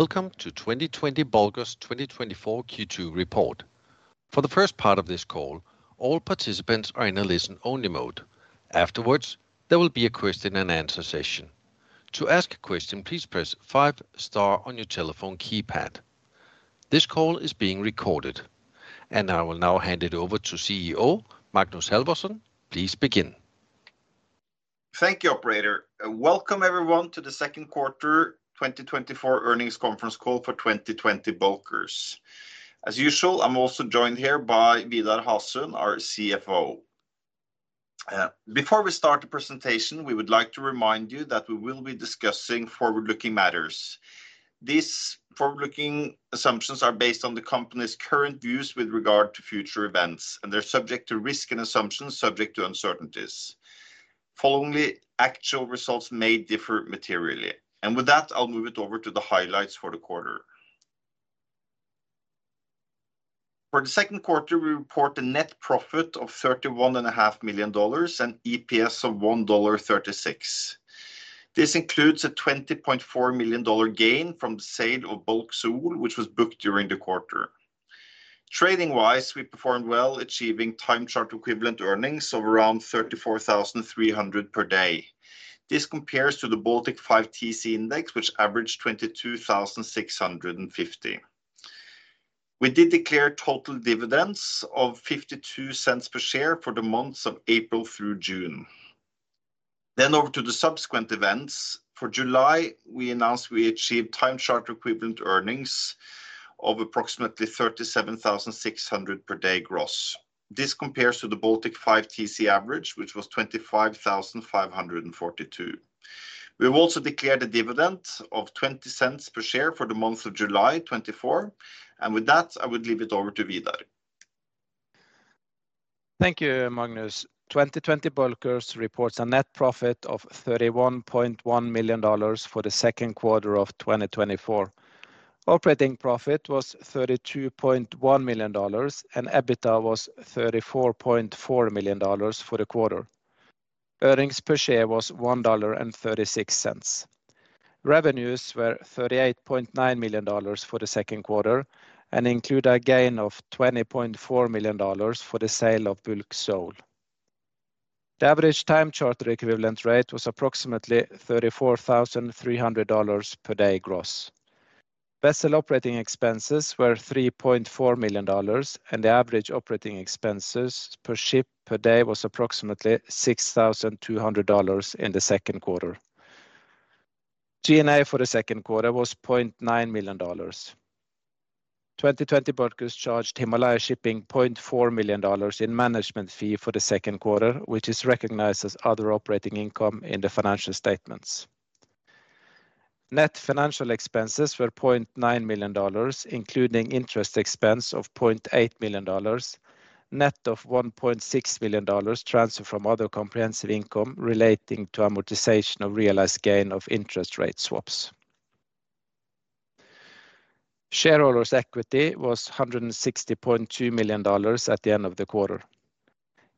Welcome to 2020 Bulkers 2024 Q2 report. For the first part of this call, all participants are in a listen-only mode. Afterwards, there will be a question and answer session. To ask a question, please press five star on your telephone keypad. This call is being recorded, and I will now hand it over to CEO Magnus Halvorsen. Please begin. Thank you, operator. Welcome, everyone, to the second quarter 2024 earnings conference call for 2020 Bulkers. As usual, I'm also joined here by Vidar Hasund, our CFO. Before we start the presentation, we would like to remind you that we will be discussing forward-looking matters. These forward-looking assumptions are based on the company's current views with regard to future events, and they're subject to risk and assumptions subject to uncertainties. Followingly, actual results may differ materially. And with that, I'll move it over to the highlights for the quarter. For the second quarter, we report a net profit of $31.5 million and EPS of $1.36. This includes a $20.4 million gain from the sale of Bulk Seoul, which was booked during the quarter. Trading-wise, we performed well, achieving time charter equivalent earnings of around $34,300 per day. This compares to the Baltic 5TC Index, which averaged $22,650. We did declare total dividends of $0.52 per share for the months of April through June. Then over to the subsequent events. For July, we announced we achieved time charter equivalent earnings of approximately $37,600 per day gross. This compares to the Baltic 5TC average, which was $25,542. We've also declared a dividend of $0.20 per share for the month of July 2024. And with that, I would leave it over to Vidar. Thank you, Magnus. 2020 Bulkers reports a net profit of $31.1 million for the second quarter of 2024. Operating profit was $32.1 million, and EBITDA was $34.4 million for the quarter. Earnings per share was $1.36. Revenues were $38.9 million for the second quarter and include a gain of $20.4 million for the sale of Bulk Seoul. The average time charter equivalent rate was approximately $34,300 per day gross. Vessel operating expenses were $3.4 million, and the average operating expenses per ship per day was approximately $6,200 in the second quarter. G&A for the second quarter was $0.9 million. 2020 Bulkers charged Himalaya Shipping $0.4 million in management fee for the second quarter, which is recognized as other operating income in the financial statements. Net financial expenses were $0.9 million, including interest expense of $0.8 million, net of $1.6 million transferred from other comprehensive income relating to amortization of realized gain of interest rate swaps. Shareholders' equity was $160.2 million at the end of the quarter.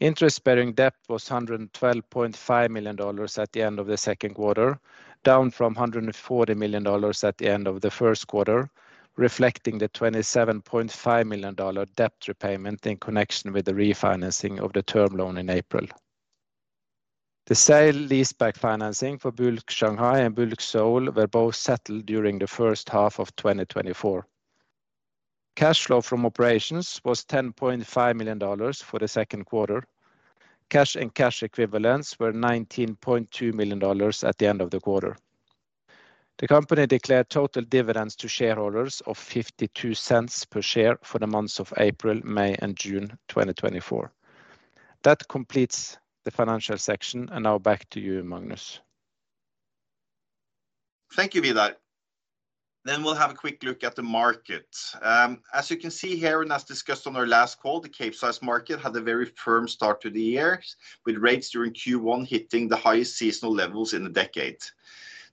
Interest-bearing debt was $112.5 million at the end of the second quarter, down from $140 million at the end of the first quarter, reflecting the $27.5 million debt repayment in connection with the refinancing of the term loan in April. The sale leaseback financing for Bulk Shanghai and Bulk Seoul were both settled during the first half of 2024. Cash flow from operations was $10.5 million for the second quarter. Cash and cash equivalents were $19.2 million at the end of the quarter. The company declared total dividends to shareholders of $0.52 per share for the months of April, May, and June 2024. That completes the financial section, and now back to you, Magnus. Thank you, Vidar. Then we'll have a quick look at the market. As you can see here, and as discussed on our last call, the Capesize market had a very firm start to the year, with rates during Q1 hitting the highest seasonal levels in a decade.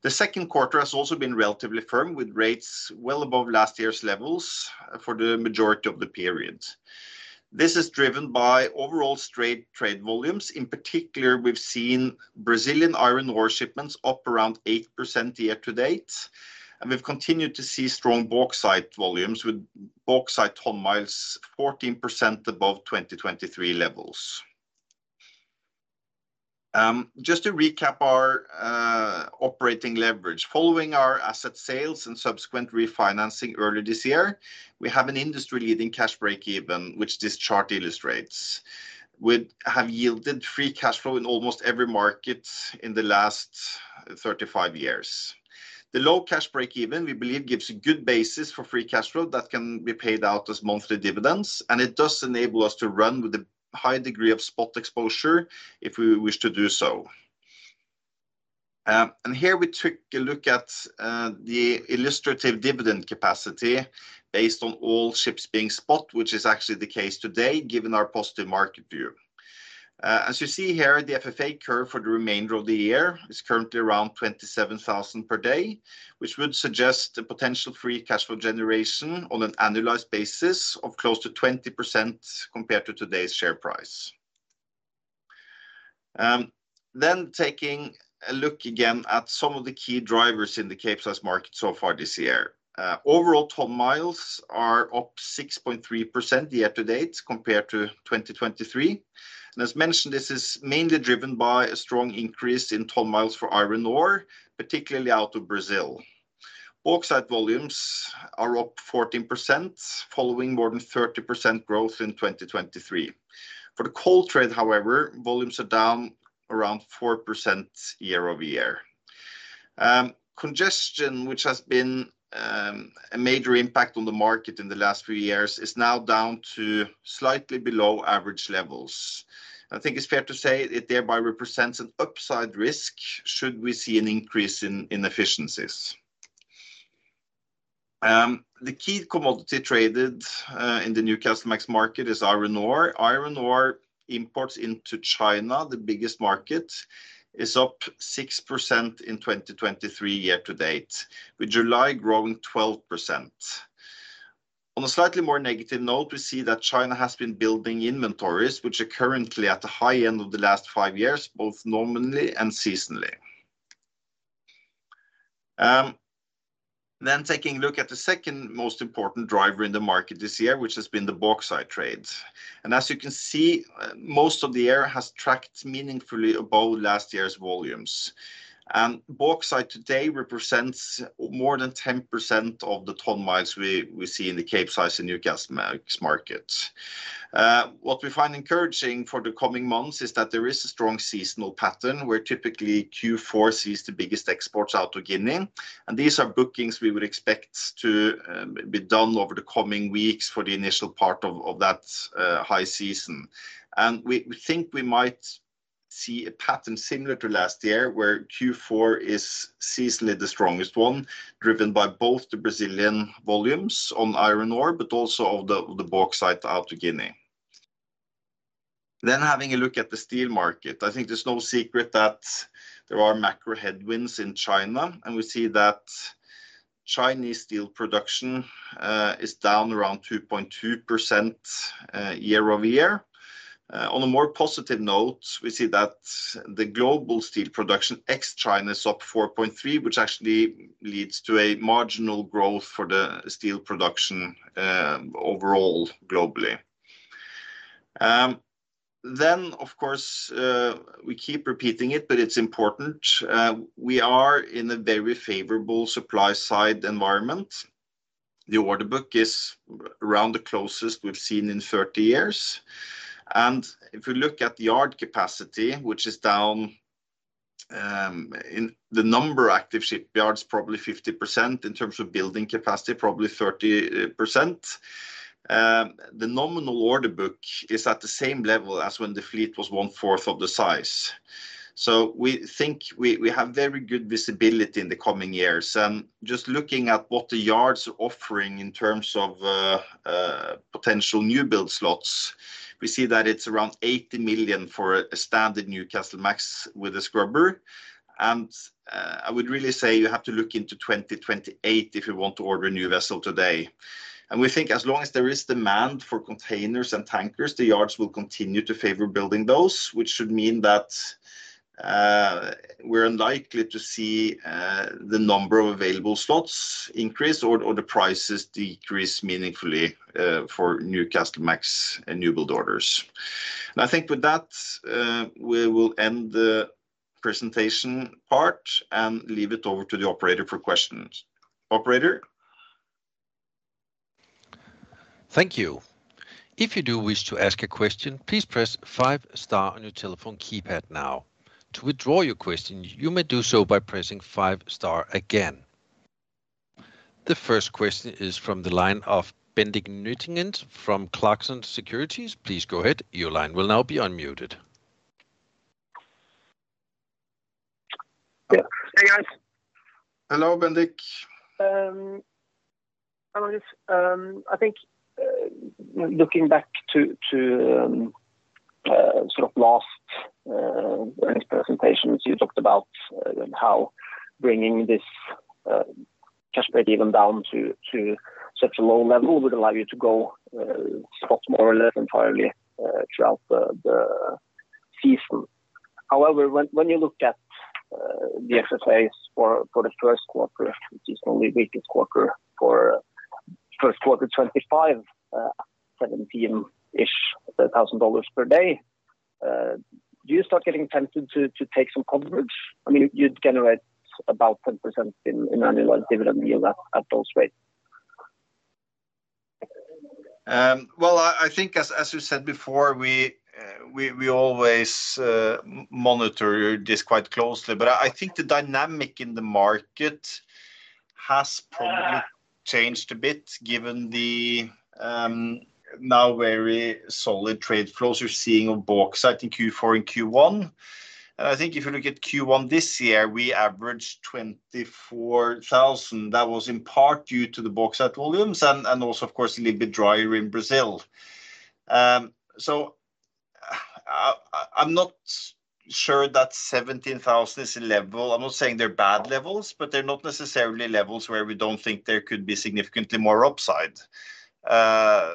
The second quarter has also been relatively firm, with rates well above last year's levels for the majority of the period. This is driven by overall strong trade volumes. In particular, we've seen Brazilian iron ore shipments up around 8% year-to-date, and we've continued to see strong bauxite volumes, with bauxite ton-miles 14% above 2023 levels. Just to recap our operating leverage. Following our asset sales and subsequent refinancing earlier this year, we have an industry-leading cash breakeven, which this chart illustrates. We have yielded free cash flow in almost every market in the last 35 years. The low cash breakeven, we believe, gives a good basis for free cash flow that can be paid out as monthly dividends, and it does enable us to run with a high degree of spot exposure if we wish to do so. And here we took a look at the illustrative dividend capacity based on all ships being spot, which is actually the case today, given our positive market view. As you see here, the FFA curve for the remainder of the year is currently around $27,000 per day, which would suggest a potential free cash flow generation on an annualized basis of close to 20% compared to today's share price. Then taking a look again at some of the key drivers in the Capesize market so far this year. Overall ton-miles are up 6.3% year-to-date compared to 2023. As mentioned, this is mainly driven by a strong increase in ton-miles for iron ore, particularly out of Brazil. Bauxite volumes are up 14%, following more than 30% growth in 2023. For the coal trade, however, volumes are down around 4% year-over-year. Congestion, which has been a major impact on the market in the last few years, is now down to slightly below average levels. I think it's fair to say it thereby represents an upside risk should we see an increase in efficiencies. The key commodity traded in the Newcastlemax market is iron ore. Iron ore imports into China, the biggest market, is up 6% in 2023 year-to-date, with July growing 12%. On a slightly more negative note, we see that China has been building inventories, which are currently at the high end of the last five years, both nominally and seasonally. Then taking a look at the second most important driver in the market this year, which has been the bauxite trade. As you can see, most of the year has tracked meaningfully above last year's volumes. Bauxite today represents more than 10% of the ton-miles we see in the Capesize and Newcastlemax market. What we find encouraging for the coming months is that there is a strong seasonal pattern, where typically Q4 sees the biggest exports out of Guinea, and these are bookings we would expect to be done over the coming weeks for the initial part of that high season. And we think we might see a pattern similar to last year, where Q4 is seasonally the strongest one, driven by both the Brazilian volumes on iron ore, but also of the bauxite out of Guinea. Then having a look at the steel market, I think there's no secret that there are macro headwinds in China, and we see that Chinese steel production is down around 2.2%, year-over-year. On a more positive note, we see that the global steel production, ex-China, is up 4.3%, which actually leads to a marginal growth for the steel production, overall, globally. Then, of course, we keep repeating it, but it's important, we are in a very favorable supply side environment. The order book is around the closest we've seen in 30 years. And if you look at the yard capacity, which is down, in the number of active shipyards, probably 50%, in terms of building capacity, probably 30%. The nominal order book is at the same level as when the fleet was one-fourth of the size. So we think we, we have very good visibility in the coming years. And just looking at what the yards are offering in terms of potential newbuild slots, we see that it's around $80 million for a standard Newcastlemax with a scrubber. And I would really say you have to look into 2028 if you want to order a new vessel today. And we think as long as there is demand for containers and tankers, the yards will continue to favor building those, which should mean that we're unlikely to see the number of available slots increase or the prices decrease meaningfully for Newcastlemax and newbuild orders. And I think with that, we will end the presentation part and leave it over to the operator for questions. Operator? Thank you. If you do wish to ask a question, please press five star on your telephone keypad now. To withdraw your question, you may do so by pressing five star again. The first question is from the line of Bendik Nøttingnes from Clarksons Securities. Please go ahead. Your line will now be unmuted. Yeah. Hey, guys. Hello, Bendik. Hello. I think, looking back to sort of last earnings presentations, you talked about how bringing this cash breakeven down to such a low level would allow you to go spot more or less entirely throughout the season. However, when you look at the FFAs for the first quarter, which is only the weakest quarter for first quarter 2025, $17,000-ish per day, do you start getting tempted to take some coverage? I mean, you'd generate about 10% in annual dividend yield at those rates. Well, I think as you said before, we always monitor this quite closely. But I think the dynamic in the market has probably changed a bit, given the now very solid trade flows you're seeing of bauxite in Q4 and Q1. And I think if you look at Q1 this year, we averaged $24,000. That was in part due to the bauxite volumes and also, of course, a little bit drier in Brazil. I'm not sure that $17,000 is a level. I'm not saying they're bad levels, but they're not necessarily levels where we don't think there could be significantly more upside.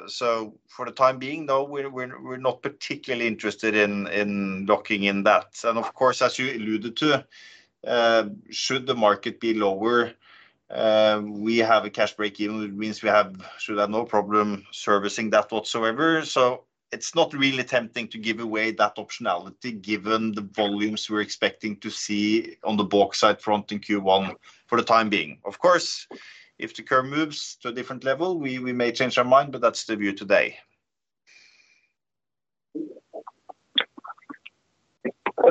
So for the time being, though, we're not particularly interested in locking in that. Of course, as you alluded to, should the market be lower, we have a cash breakeven, which means we should have no problem servicing that whatsoever. It's not really tempting to give away that optionality given the volumes we're expecting to see on the bauxite front in Q1 for the time being. Of course, if the curve moves to a different level, we may change our mind, but that's the view today.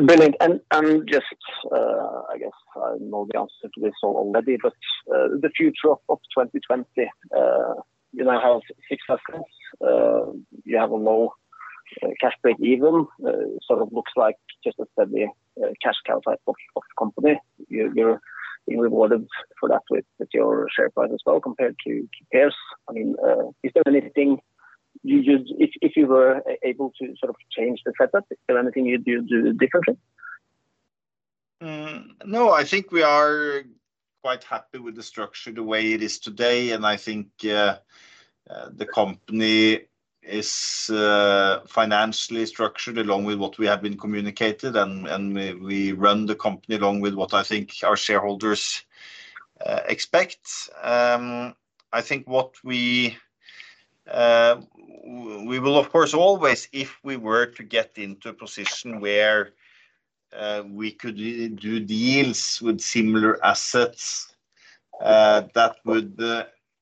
Brilliant. And just, I guess I know the answer to this already, but, the future of 2020, you now have six assets. You have a low cash breakeven. Sort of looks like just a steady cash cow type of company. You're being rewarded for that with your share price as well, compared to peers. I mean, is there anything you would... If you were able to sort of change the trajectory, is there anything you'd do differently? No, I think we are quite happy with the structure the way it is today, and I think the company is financially structured along with what we have been communicated, and we run the company along with what I think our shareholders expect. I think what we will, of course, always, if we were to get into a position where we could do deals with similar assets that would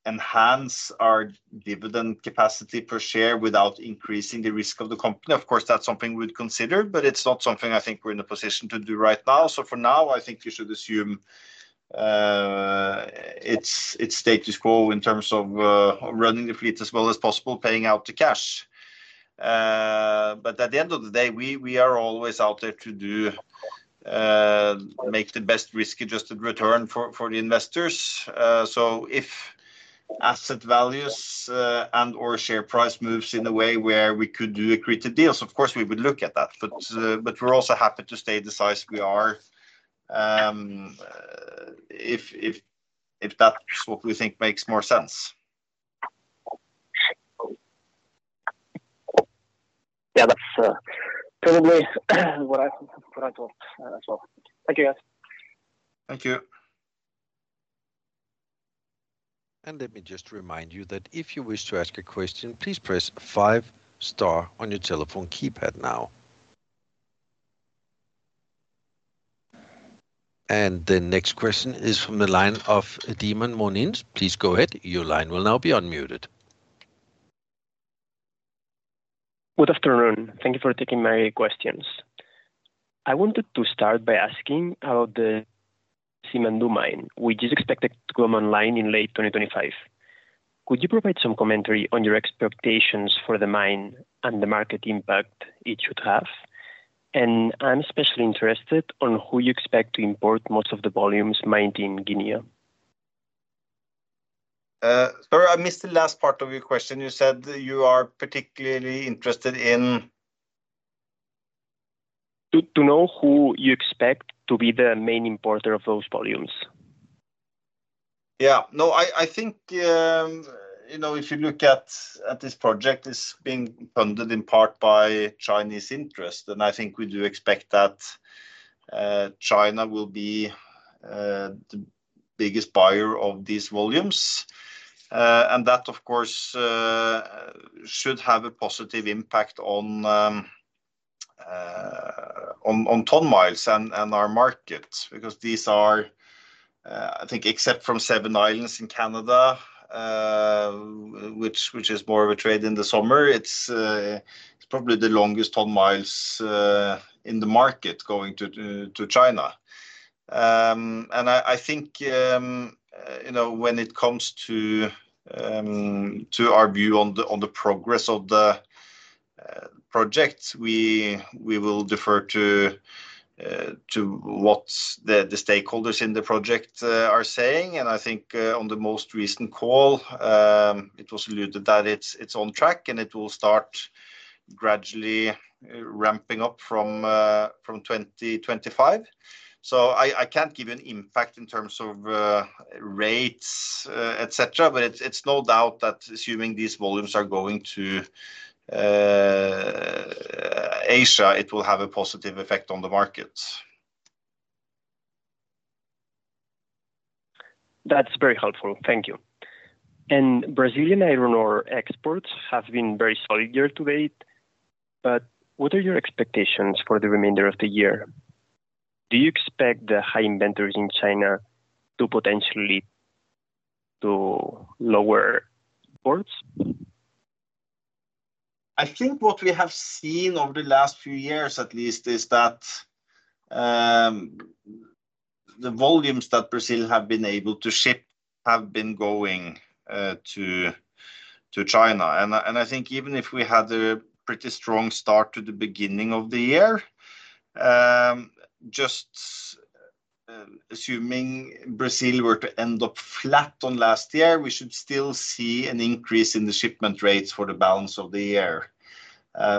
enhance our dividend capacity per share without increasing the risk of the company, of course, that's something we'd consider, but it's not something I think we're in a position to do right now. So for now, I think you should assume it's status quo in terms of running the fleet as well as possible, paying out the cash. But at the end of the day, we are always out there to make the best risk-adjusted return for the investors. So if asset values and/or share price moves in a way where we could do accretive deals, of course, we would look at that. But we're also happy to stay the size we are, if that's what we think makes more sense. Yeah, that's probably what I thought as well. Thank you, guys. Thank you. Let me just remind you that if you wish to ask a question, please press five star on your telephone keypad now. The next question is from the line of Climent Molins. Please go ahead. Your line will now be unmuted. Good afternoon. Thank you for taking my questions. I wanted to start by asking about the Simandou mine, which is expected to come online in late 2025. Could you provide some commentary on your expectations for the mine and the market impact it should have? And I'm especially interested on who you expect to import most of the volumes mined in Guinea. Sorry, I missed the last part of your question. You said you are particularly interested in? To know who you expect to be the main importer of those volumes? Yeah. No, I think, you know, if you look at this project, it's being funded in part by Chinese interest, and I think we do expect that China will be the biggest buyer of these volumes. And that, of course, should have a positive impact on ton miles and our markets, because these are, I think, except from Seven Islands in Canada, which is more of a trade in the summer, it's probably the longest ton miles in the market going to China. And I think, you know, when it comes to our view on the progress of the project, we will defer to what the stakeholders in the project are saying. And I think on the most recent call, it was alluded that it's on track, and it will start gradually ramping up from 2025. So I can't give an impact in terms of rates, et cetera, but it's no doubt that assuming these volumes are going to Asia, it will have a positive effect on the markets. That's very helpful. Thank you. Brazilian iron ore exports have been very solid year-to-date, but what are your expectations for the remainder of the year? Do you expect the high inventories in China to potentially lower ports? I think what we have seen over the last few years at least, is that, the volumes that Brazil have been able to ship have been going, to China. And I think even if we had a pretty strong start to the beginning of the year, just, assuming Brazil were to end up flat on last year, we should still see an increase in the shipment rates for the balance of the year.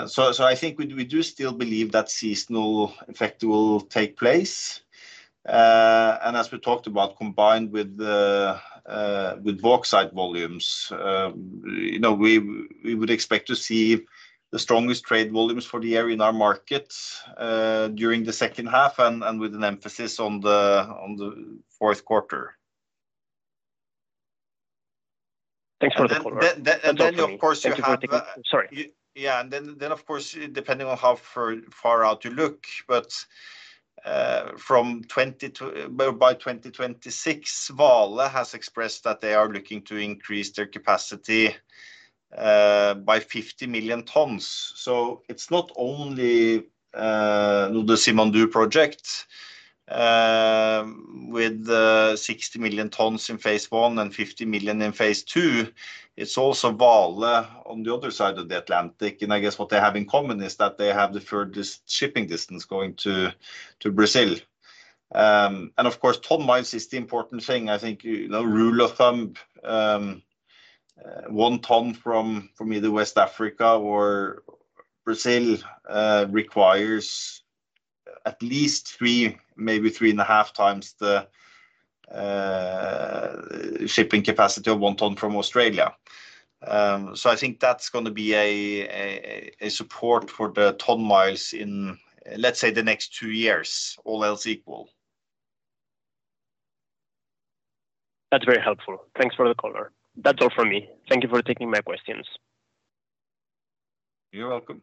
So I think we do still believe that seasonal effect will take place. And as we talked about, combined with the, with bauxite volumes, you know, we would expect to see the strongest trade volumes for the year in our markets, during the second half and, with an emphasis on the, on the fourth quarter. Thanks for the call- And then, of course, you have- Sorry. Yeah, and then, of course, depending on how far out you look, but by 2026, Vale has expressed that they are looking to increase their capacity by 50 million tons. So it's not only the Simandou project with 60 million tons in phase one and 50 million in phase II, it's also Vale on the other side of the Atlantic. And I guess what they have in common is that they have the furthest shipping distance going to Brazil. And of course, ton-miles is the important thing. I think, you know, rule of thumb, one ton from either West Africa or Brazil requires at least three, maybe three and a half times the shipping capacity of one ton from Australia. I think that's gonna be a support for the ton miles in, let's say, the next two years, all else equal. That's very helpful. Thanks for the call. That's all for me. Thank you for taking my questions. You're welcome.